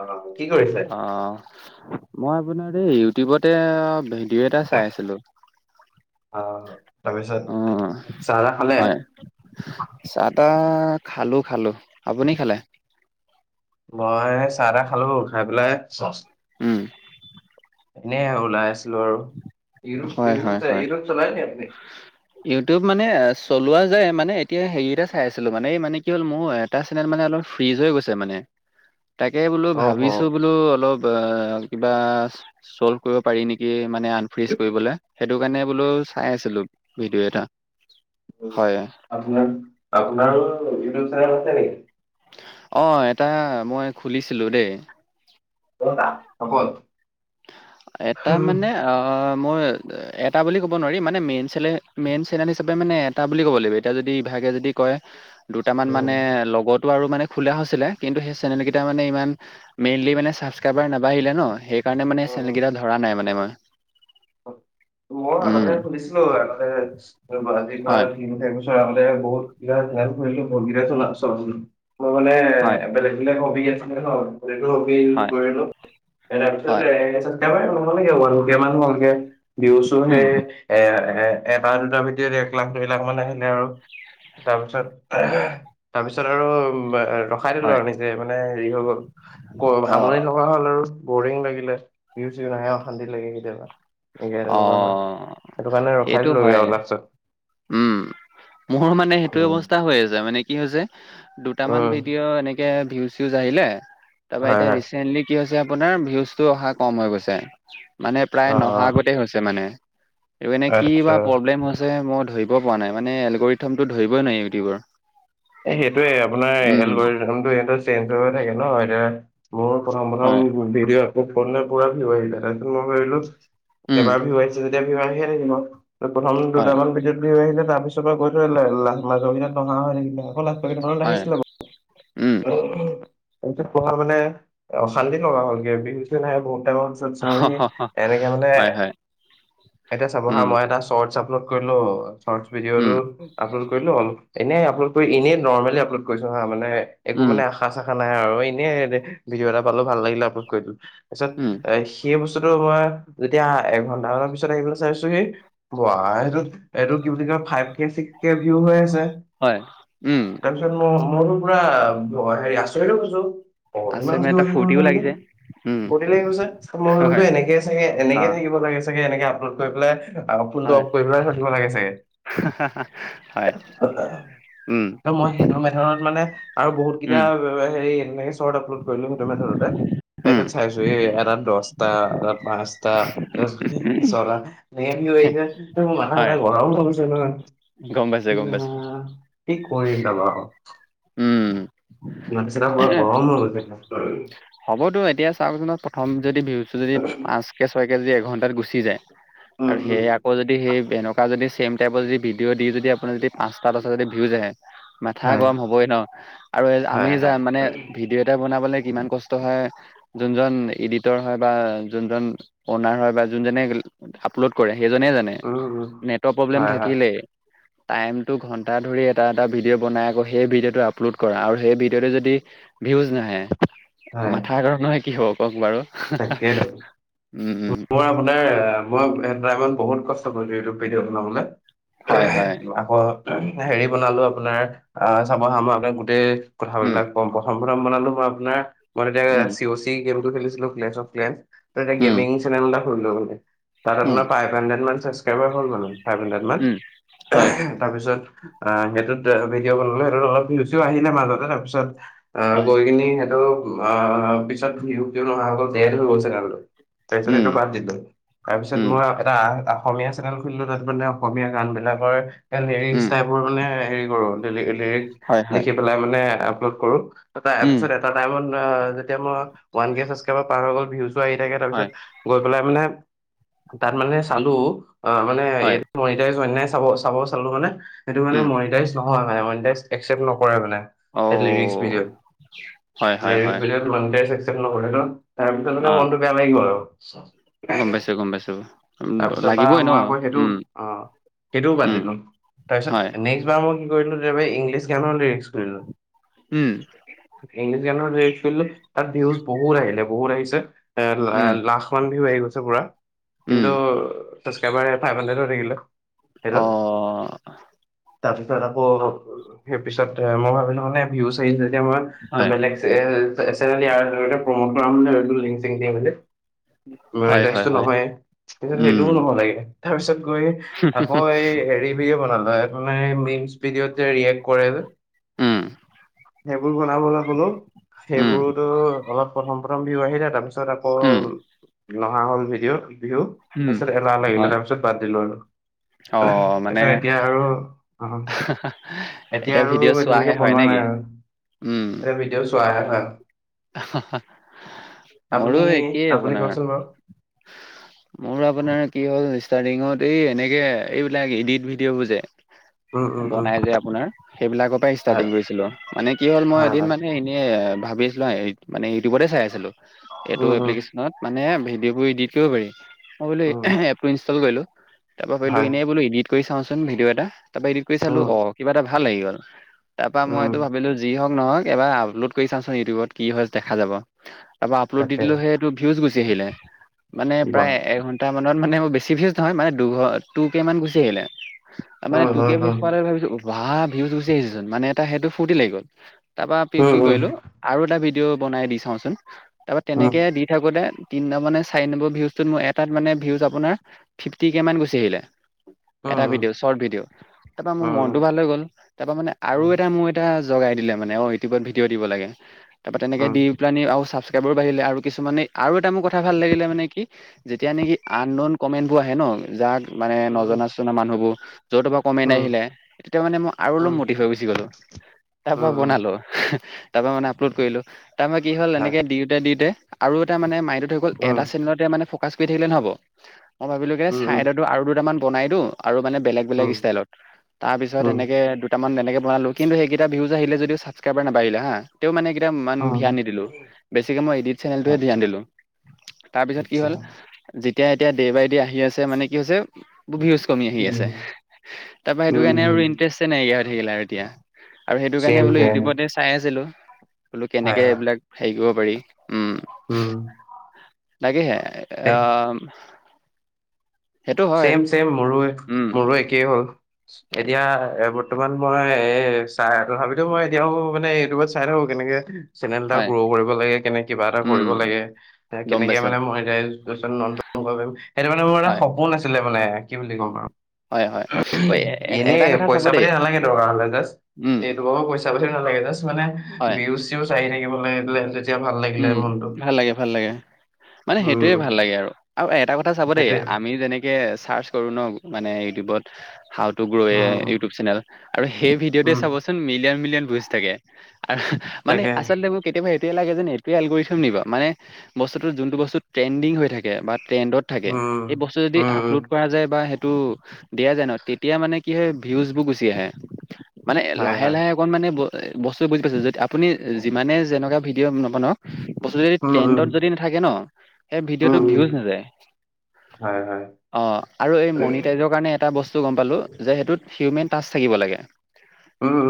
অ কি কৰিছে আহ, মই আপোনাৰ এই ইউটিউবতে ভিডিঅ' এটা চাই আছিলো অহ, তাৰপিছত অ', চাহ- তাহ খালে? তা খালো-খালো আপুনি খালে? মই চাহ-তাহ খালো খাই পেলাই চচ উম, এনেই ওলায় আছিলোঁ আৰু। ইউটিউব হয়, ইউটিউব হয়, চাই হয়। ইউটিউব চলাই নি আপুনি ইউটিউব মানে চলোৱা যে মানে এতিয়া হেৰি এটা চাই আছিলোঁ, মানে মানে কি হ'ল মোৰ এটা চেনেল মানে অলপ ফ্ৰিজ হৈ গৈছে মানে। [inaudible] তাকে, বোলো অ হ ভাবিছোঁ, বোলো অলপ কিবা চল্ভ কৰিব পাৰি নেকি? মানে আনফ্ৰিজ। কৰিবলে, সেইটো কাৰণে বোলোঁ, চাই আছিলোঁ ভিডিঅ' এটা। হয়, আপোনাৰ, আপোনাৰো ইউটিউব চেনেল আছে নেকি? অ, এটা মই খুলিছিলো দে। ক'ৰ তাত হ'ব। এটা মানে অ'। মই এটা বুলি ক'ব নোৱাৰি, মানে মেইন চেলে মেইন চেনেনী হিচাপে মানে এটা বুলি ক'ব লাগিব, এতিয়া যদি ভ তেনেকে যদি কয়, দুটা মান উম মানে লগত বাৰু মানে খোলা হৈছিলে। কিন্তু, সেই চেনেল কেইটা মানে ইমান মেইনলি মে চাবক্ৰাইবাৰ নাবাঢ়িলে ন। সেইকাৰণে মানে চেনেল উম। কেইটা ধৰা মই। মই আগতে উম সুধিছিলোঁ, আগতে গুৱাহাটীৰ হয় পৰা [unintelligible] বহুত কে হেল্প কৰিলোঁ, ভৰিয়ে চলা চলাবলৈ। মই মানে হয় বেলেগ বিলাক হবি আছিলে হয়। যিহেতু উকীল হয় কৰিলোঁ, হয় তাৰপিছতে চাবছকাইবাৰ [unintelligible] কে ভিউচো হে উম এই। এ এটাৰ, দুটাৰ ভিডিঅ'ত এক লাখ, দুই লাখ মান আহিলে আৰু। তাৰপিছত [unintelligible] তাৰপিছত আৰু উম ৰখাই দিলোঁ হয় আৰু নিজে মানে হেৰি হৈ গ'ল আমনি অ' থকা হ'ল আৰু বৰিং লাগিলে, ভিউ চিউ নাহে অশান্তি লাগে কেতিয়াবা। [unintelligible] তেনেকুৱা হয়, অ' সেইটো কাৰণে সেইটো ৰখাই দিলোঁগে হয় আৰু লাষ্টত। উম, মোৰ মানে সেইটোয়ে উম অৱস্থা হৈ আছে মানে কি হৈছে? দুটামান উম ভিডিঅ' এনেকে ভিউজ - চিউজ আহিলে তাৰপা হয় এতিয়া হয় ৰিচেন্টলি কি হৈছ যে, আপোনাৰ ভিউজটো অহা কমহৈ গৈছে, মানে প্ৰায় অ নহা আগতেই হৈছে মানে। এইপিনে কিবা আচ্ছা প্ৰব্লেম হৈছে মোৰ ধৰিব পৰা নাই মানে এলগৰিথমটো ধৰিবই নোৱাৰি ইউটিউবৰ। এ, সেইটোৱে আপোনাৰ উম [unintelligible] সিহঁতৰ চেঞ্জ হৈ থাকে ন? এয়া মোৰ প্ৰথম, হয় প্ৰথম ভিডিঅ' আপলোড কৰোঁতে পুৰা ভিউ আহিলে, তাৰপিছত মই ভাবিলোঁ উম একেবাৰত ভিউ আহিছে যেতিয়া ভিউ আহিয়ে থাকিব প্ৰথম, হয় দুটামান ভিডিঅ' ত ভিউ আহিলে যাম। তাৰপিছৰ পৰা গৈ থৈ লা-লা-মাজৰ কেইটাত নহা হৈ থাকিলে, আকৌ লাষ্টৰ কেইটাত মানত হয় আহিছিলে বাৰু [inaudible] উম। তাৰপিছত পঢ়া মানে অ, শান্তি নহা হলগে ভিউছে নাহে বহুত। [unintelligible] এনেকে হ'লে মানে হয় হয় এতিয়া চাব হা, উম মই এটা চৰ্টচ আপলড কৰিলোঁ, চৰ্তচ ভিডিঅ'টো‌ উম আপলড কৰিলোঁ, এনেই আপলোড কৰি এনেই নৰমেলি আপলোড কৰিছোঁ হা, মানে একো উম মানে আশা চাশা নাই আৰু এনে ভিডিঅ' এটা পালোঁ, ভাল লাগিলে আপলোড কৰি দিলোঁ। তাৰছত উম এই সেই বস্তুটো মই যেতিয়া এঘন্টা মানৰ পিছত আহিবলৈ চাইছোঁহি ৱাই সেইটোত এইটো কি বুলি কয়, ফাইভকে, চিক্সকে ভিউ হৈ আছে। হয় উম তাৰপিছত মোৰ-মোৰটো পুৰা আছে মানে এটা ফূৰ্তিও লাগিছে উম [unintelligible] ফূৰ্তি লাগি গৈছে, মই ভাবিলোঁ হয় এনেকেই চাগে অ এনেকে থাকিব লাগে চাগে এনেকে আপলোড কৰি পেলাই আ, ফোনটো হয় অফ কৰি পেলাই [unintelligible] লাগে চাগে। হয় উম ত' মই সেইটো মেথতত মানে আৰু বহুত কিটা উম হেৰি এনেকে শ্বৰ্ট আপলোড কৰিলোঁ সেইটো মেথততে। উম তাৰপিছত চাইছোঁ, এটাত দচটা, এটাত পাঁচটা, এটাত ছটা। [unintelligible] আহিছে এ মোৰ মাথা - হয় চাথা গৰম হৈ গম পাইছো গম পাইছো গৈছে [unintelligible] [unintelligible] উম। মাটি চটা পুৰা গৰম হৈ [unintelligible] হ'বতো এতিয়া চাওকচোন প্ৰথম যদি বিহুতটো যদি পাঁচ কে, ছয়কে যদি এঘণ্টাত গুচি যায়। উম আৰু উম সেই আকৌ যদি সেই এনেকুৱা যদি চেম টাইপৰ যদি ভিদিঅ' দি যদি আপোনাৰ যদি পাঁচটা [unintelligible] যদি ভিউজ যাই। মাথা হয় গৰম হ'বই ন' আৰু আমি হয় হয় যাম মানে ভিডিঅ' এটা বনাবলে কিমান কচ হয়, যোনজন এডিটৰ হয়, বা যোনজন ঔনাৰ হয়, বা যোনজনে আপলোড কৰে সেইজনে জানে, উম উম নেটৰ প্ৰব্লেম হয় হয় থাকিলে টাইমটো ঘন্টা ধৰি এটা, এটা ভিডিঅ' বনাই আকৌ সেই ভিডিঅ'টো আপলোড কৰা, আৰু সেই ভিডিঅ'টো যদি ভিউজ নাহে, মাথা গৰম নহৈয় কি হ'ব কওঁক বাৰু? তাকেই, [unintelligible] উম উম মোৰ আপোনাৰ মই এটামান বহুত কচ [unintelligible] ইউটিউব ভিডিঅ' বনাবলে। হয়, হয়। আকৌ হেৰি বনালোঁ আপোনাৰ অ', চাব হা আপোনাৰ গোটেই উম কথাবিলাক কম প্ৰথম প্ৰথম বনালোঁ মই আপোনাৰ মই তেতিয়া উম চিঅ'চি গেমটো খেলিছিলোঁ ক্লেচ অফ ক্লেম। তাতে উম গেমিং চেনেল এটা খুলিলোঁ মানে, তাত উম আপোনাৰ ফাইভ হুণ্ডেৰ্ড মান [unintelligible] হৈ মানে ফাইভ হাড্ৰেড মান, উম হয় তাৰপিছত আ, সেইটোত ভিডিঅ' বনালো, সেইটোত অলপ ভিউচো আহিলে মাজতে তাৰপিছত আ, হয় গৈ কিনি সেইটো অ', পিছত ভিউ-চিউ নহা হৈ গ'ল [unintelligible] চেনেলটো। তাৰপিছতে উম সেইটো বাদ দিলোঁ, তাৰপিছত উম মই এটা আ অসমীয়া চেনেল খুলিলোঁ তাত মানে অসমীয়া গান বিলাকৰ এ, লিৰিক্স উম টাইপৰ মানে হেৰি কৰোঁ [unintelligible] লিৰিক্স হয় হয় লিখি পেলায় মানে আপলোড কৰোঁ, উম [unintelligible] এটা টাইমত আ তেতিয়া মই ওৱানকে চাচক্ৰাইবাৰ পাৰ হৈ গ'ল, ভিউচো আহি থাকে, তাৰপিছত হয় গৈ পেলাই মানে তাত মানে চালোঁ, আ, মানে হয় [unintelligible] চাব-চাব চালোঁ মানে সেইটো মানে উম মনিটাইচ নহয়, মানে মনিটাইচ একচেপ নক কৰে মানে অ লিৰিক্স ভিডিঅ'ত, হয় হয় লিৰিক্স হয় ভিডিঅ'ত‌ মনিটৰে একচেপট নকৰে [unintelligible] তাৰপিছত মানে অ আৰু মনটো বেয়া লাগি গ'ল আৰু। গম পাইছো গম পাইছো উম, তাৰপিছৰ পৰা লাগিবই ন মই আকৌ সেইটো উম অ'। সেইটোও বাদ উম দিলোঁ তাৰপিছত হয় নেক্সট বাৰ মই কি কৰিলোঁ। ইংলিছ গানৰ লিৰিক্স কৰিলোঁ উম ইংলিছ গানৰ [unintelligible] তাত ভউজ বহুত আহিলে বহুত আহিছে এ উম লাখ মান বিউ আহি গৈছে পুৰা উম কিন্তু ছাবস্ক্ৰাইব এটাই ফাইভ হাড্ৰেড হৈ থাকিলে অ হেল্ল' তাৰ পিছত আকৌ সেই পিছত মই ভাবিলো মানে ভিউচ আহিছে এতিয়া মই হয় বেলেগ এ চেনেল ইয়াৰ জৰিয়তে প্ৰমোদম কৰাম বুলি ভাবিলোঁ লিংক ছিংক দি মেলি হয় হয় [unintelligible] হয় নহয়ত উম সেইটোও নহব লাগে তাৰপিছত গৈ আকৌ এই হেৰি ভিডিঅ বনালো [unintelligible] মিনছ ভিডিঅ'ত যে ৰিয়েক কৰে যে উম সেইবোৰ বনাবলে ক'লো উম সেইবোৰতো অলপ প্ৰথম প্ৰথম ভিও আহিলে তাৰপিছত আকৌ উম নহা হ'ল ভিডিঅ' বিহু উম তাৰপিছত এলাহ লাগিলে হয় তাৰপিছত বাদ দিলো আৰু অ মানে তাছত এতিয়া আৰু অ', এতিয়া আৰু ভিডিঅ' চোৱাহে এতিয়ালৈকে হয় বনোৱা নেকি নাই। অ উম [unintelligible] আপুনি মোৰো একেই আপুনি আপোনাৰ। কওকচোন বাৰু মোৰ আপোনাৰ কি হল ইষ্টা ৰিঙত এই এনেকে এইবিলাক এডিট ভিডিঅ' বোৰ যে অ বনাই যে আপোনাৰ সেইবিলাকৰ পৰা হয় ষ্টাৰ্টিং কৰিছিলো মানে কি হ'ল মই হয় এদিন হয় মানে এনেই ভা ভাবিছিলো যে মানে ইউটিউবতে চাই আছিলোঁ। উম এইটো উম এপ্লিকেশনত মানে ভিডিঅ' কৰি দি থাকিব পাৰি। মই বোলো উম এপটো ইনষ্টল কৰিলোঁ। তাৰ পৰা ভাবিলো, হয় এনেই বোলো ইডিট কৰি চাওঁচোন, ভিডিঅ' এটা তাপা এডিট কৰি চালো উম অ কিবা এটা ভাল লাগি গ'ল। তাপা মই উম এইটো ভাবিলো, যি হওঁক নহওঁক এবাৰ আপলোড কৰি চাচোন ইউটিউবত কি হয় দেখা যাব। তাপা আপলোড দি তাকে দিলে সেইটো ভিউজ গুচি দিলে। মানে কি কম প্ৰায় এঘণ্টা মানত মানে মোৰ বেছি ভিউজ নহয়, মানে দুঘ টুকে মান গুচি আহিলে। মানে উম টু কে ভিউজ উম পোৱাতে ভাবিছোঁ বা ভিউজ গুচি আহিছেচোন, মানে এটা সেইটো ফুৰ্তি লাগি গ'ল। তাৰপৰা কি কি উম কৰিলোঁ আৰু এটা ভিডিঅ' বনাই দি চাওঁচোন তাৰপৰা উম তেনেকে দি থাকোঁতে তিনটা মানে চাৰি নম্বৰ ভিউজটোত, মোৰ এটাত মানে ভিউজ আপোনাৰ ফিফটি কে মান গুচি আহিলে। এটা উম ভিডিঅ' শৰ্ট ভিডিঅ', তাৰপৰা মোৰ উম উম মনটো ভাল হৈ গল। তাৰপৰা মানে আৰু উম এটা মোৰ এটা লগাই দিলে মানে অ' ইউটিবত ভিডিঅ' দিব লাগে। তাৰপৰা তেনেকে উম দি পেলাই নি আৰু চাব সেই বোৰ বাঢ়িলে, আৰু কিছুমানে আৰু এটা মোৰ কথা ভাল লাগিলে মানে কি যেতিয়া নেকি আন নন কমেন্ট বোৰ আহে ন? যাক মানে উম উম উম নজনা চজনা মানুহবোৰ য'ৰ তৰ পৰা কমেন্ট উম আহিলে। তেতিয়া মানে মই আৰু অলপ উম মটিভ হৈ গুচি গ'লো। তাৰ পৰা উম উম বনালো। তাৰ পৰা মানে আপলোড কৰিলোঁ। তাৰ পৰা কি হ'ল হয় এনেকে দিওঁতে দিওঁতে আৰু এটা মানে মাইণ্ডত হৈ গ'ল উম এটা চেনেলতে মানে ফকাচ কৰি থাকিলে নহ'ব। মই ভাবিলো গে উম উম চাইদটো আৰু দুটামান বনাই দিও আৰু মানে বেলেগ বেলেগ উম ষ্টাইলত, তাৰ পিছত উম এনেকে দুটামান তেনেকে বনালো। কিন্তু সেইকেইটা ভিউজ আহিলে যদিও ছাবক্ৰাইবাৰ নাবাৰিলে হা, তেওঁ মানে ইমান উম ধ্যান নিদিলো, বেছিকে মই ইডিট চেনেলটোহে ধ্যান আচ্ছা দিলোঁ। তাৰপিছত কি আচ্ছা হ'ল, যেতিয়া এতিয়া দে বাই দে আহি আছে। মানে কি হৈছে ভিউজ কমি আহি আছে। উম তাৰ পৰা সেইটো উম কাৰণে উম আৰু ইণ্টাৰেষ্টে নাইকিয়া হৈ থাকিলে, আৰু এতিয়া আৰু সেইটো চেম কাৰণে বোলো হয় ইউটিউবতে চাই আছিলোঁ। বোলো কেনেকে এইবিলাক, হেৰি কৰিব পাৰি। উম', হুম। তাকেহে অহ। ছেম ছেম মোৰো উম মোৰো একেই হ'ল। এতিয়া এ বৰ্তমান মই এ চাই, তথাপিতো মই এতিয়াও মানে ইউটিউবত চাই থাকো কিন্তু। কেনেকে চেনেল এটা হয় গ্ৰ' কৰিব লাগে? কেনে, কিবা এটা উম কৰিব লাগে। গম কেনেকে পাইছো মানে মই [unintelligible] য'ত চেনেল, নন [unintelligible] সেইটো মানে মোৰ এটা হয় সপোন আছিলে মানে, কি বুলি ক'ম আৰু হয় হয় ঐ এ এ- এনে এটা কথা চাব দেই পইচা-পাতি নালাগে, দৰকাৰ হ'লে জাষ্ট উম এইটোৰ পৰা মোক পইচা-পাতি নালাগে। জাষ্ট মানে, হয় ভিউজ-চিউজ আহি থাকিব লাগে পেলাই উম, ভাল লাগে, ভাল লাগে। মানে সেইটোৱেই উম ভাল লাগে আৰু, আৰু এটা কথা চাব দেই, সেইটোৱে আমি যেনেকে ছাৰ্জ কৰোঁ ন', মানে ইউটিউবত, how to grow A um um YouTube channel, আৰু সেই ভিডিঅ'তে উম, চাবচোন মিলিয়ন-মিলিয়ন ভিউজ থাকে মানে, তাকে আচলতে মোৰ কেতিয়াবা তে, লাগে যেন এইটোৱে এলগৰিদম নি বাৰু, মানে বস্তুটো যোনটো বস্তু ট্ৰেণ্ডিং হৈ থাকে। বাট ট্ৰেণ্ডত থাকে। উম সেই বস্তু যদি উম উম আপলোড্ কৰা যায় বা সেই টো দিয়া যায় ন? তেতিয়া মানে কি হয় ভিউজ বোৰ গুচি আহে। মানে লাহে লাহে অকণ মানে, বস্তুবোৰ বুজি পাইছে যদি আপুনি যিমানে যেনেকুৱা ভিডিঅ' নবনাওক বস্তু যদি ট্ৰেণ্ডত যদি নাথাকে ন, সেই ভিডিঅ'টো ভিউজ নেযায়। অ', আৰু এই মনিটাইজৰ কাৰণে এটা বস্তু গম পালো যে, সেইটোত হিউমেন টাচ থাকিব লাগে।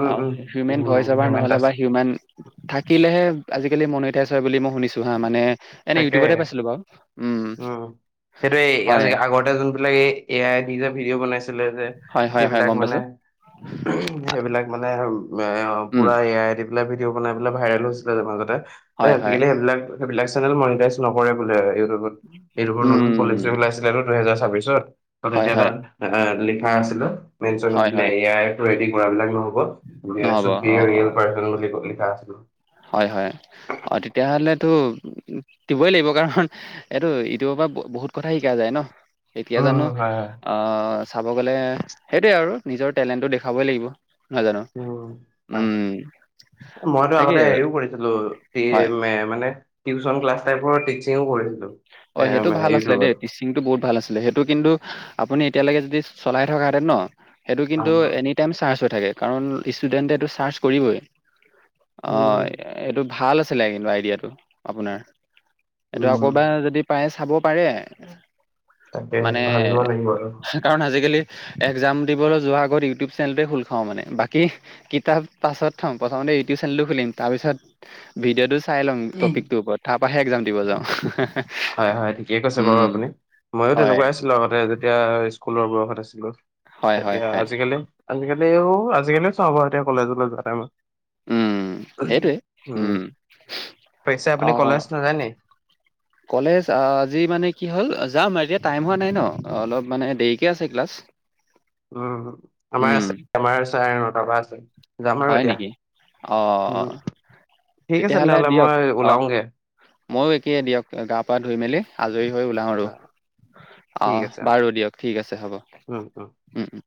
উম অ', হিউমেন ভইচ অভাৰ হিউমেন নহ'লে টাচ বা হিউমেন থাকিলেহে, আজিকালি মণিটাইচ হয় বুলি মোক শুনিছোঁ হা, মানে এনে তাকে ইউটিউবতে পাইছিলো বাৰু উম', সেইটোৱে আজ হয় আগতে যোনবিলাক এই এ আই দি যে ভিডিঅ' বনাইছিলে যে হয় হয় হয় সেইবিলাক গম মানে পাইছো সেইবিলাক মানে হ'ল এই উম পোৰা এ আই দি পেলাই ভিডিঅ' বনাই পেলাই, ভাইৰেল হৈছিলে, মাজতে [unintelligible] হয় হয় সেইবিলাক হেইবিলাক চেনেল মনিতাইজ নকৰে বোলে, ইউটিউবত ইউটিউব নতুনপলিচি উম ওলাইছিলে দুহেজাৰ তাৰপিছত হয় হয় তাত লিখা আছিল হয় [unintelligible] এ হয় আই টো ৰেদি মুৰা বিলাক নহ'ব। নহ'ব অ ৰিয়েল পাৰ্চন বুলি লিখা আছিল। হয়, হয়। অ' তেতিয়া হ'লে টো। দিবই লাগিব কাৰণ, এইটো ইউটিউবৰ পৰা বহুত কথা শিকা যায় ন। এতিয়া উম উম জানোঁ। হয় হয়। আহ, চাব গ'লে সেইটোৱে আৰু নিজৰ টেলেণ্টটো দেখাবই লাগিব। নহয় জানো উ, হয়, উম মইতো তাকে আগতে। কৰিছিলোঁ, টি এ হয় মে মানে টিউচন ক্লাছ টাইপৰ টিচিংও কৰিছিলোঁ। অ' সেইটো ভাল আছিলে দেই। টিচিংটো বহুত ভাল আছিলে। সেইটো কিন্তু আপুনি এতিয়ালৈকে যদি চলাই থকাহেঁতেন ন। সেইটো কিন্তু উম। এনি টাইম চাৰ্জ হয়। থাকে, কাৰণ ষ্টুডেণ্ট সেইটো ছাৰ্চ কৰিবই। অ' এইটো ভাল আছিল। ভাল আছিলে, কিন্তু আইডিয়া টো আপোনাৰ এইটো আকৌ উম এবাৰ যদি চাব পাৰে। তাকে মানে ভাবিব লাগিব আৰু। কাৰণ আজিকালি একজাম দিবলৈ যোৱাৰ আগত ইউটিউব চেনেলটোৱে খোলখাও মানে। বাকী কিতাপ পাছত থওঁ। প্ৰথমতে ইউটিউব চেনেলটো খুলিম। তাৰ পিছত ভিডিঅ'টো চাই লওঁ উম। টপিকটোৰ ওপৰত। তাৰ পৰাহে এক্সাম দিব যাওঁ। হয়, হয়, ঠিকে কৈছে বাৰু। উম আপুনি ময়ো হয় তেনেকুৱাই আছিলোঁ। আগতে যেতিয়া স্কুলৰ বয়সত। হয় হয় তেতিয়া হয় আজিকালি আজিকালিও আজিকালিও চাওঁ বাৰু এতিয়া কলেজলৈ যোৱা টাইমত। উম [inaudible] উম, পিছে অ আপুনি অ কলেজ নাযায় নি? কলেজ আজি মানে কি হ'ল যাম, এতিয়া টাইম হোৱা নাই ন। অলপ মানে দেৰিকে আছে ক্লাছ। উম, আমাৰ উম আছে। আমাৰ আছে আমৰ চাৰে নটাৰ পৰা আছে। যাম আৰু হয় এতিয়া নেকি, অ' উম অ'। ঠিক আছে তেতিয়াহলে তেনেহ'লে দিয়ক, মই অ', ওলাওগে ময়ো একেই দিয়ক, গা -পা ধুই মেলি আজৰি। হয় ওলাওঁ আৰু। অ অ ঠিক আছে বাৰু দিয়ক ঠিক আছে হব, উম।